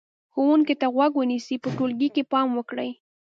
ښوونکي ته غوږ ونیسئ، په ټولګي کې پام وکړئ،